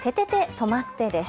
とまって！です。